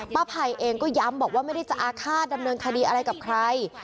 ภัยเองก็ย้ำบอกว่าไม่ได้จะอาฆาตดำเนินคดีอะไรกับใคร